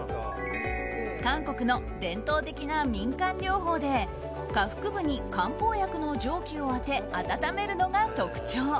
韓国の伝統的な民間療法で下腹部に漢方薬の蒸気を当て温めるのが特徴。